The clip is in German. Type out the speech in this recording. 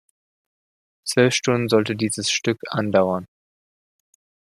Zwölf Stunden sollte dieses „Stück“ andauern.